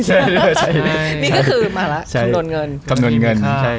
นี่ก็คือมาละกำโนญเงิน